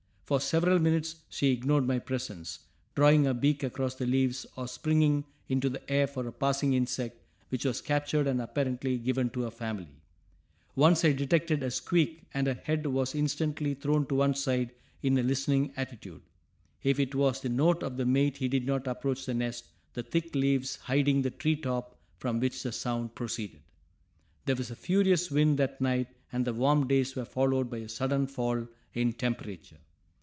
For several minutes she ignored my presence, drawing her beak across the leaves or springing into the air for a passing insect which was captured and apparently given to her family. Once I detected a "squeak," and her head was instantly thrown to one side in a listening attitude. If it was the note of the mate he did not approach the nest, the thick leaves hiding the tree top from which the sound proceeded. There was a furious wind that night and the warm days were followed by a sudden fall in temperature.